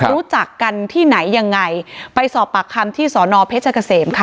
รู้จักกันที่ไหนยังไงไปสอบปากคำที่สอนอเพชรเกษมค่ะ